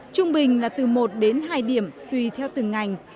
trung bình là từ một đến hai điểm tùy theo từng ngành